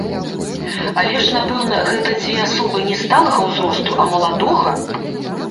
Але ж, напэўна, гэта дзве асобы не сталага ўзросту, а маладога?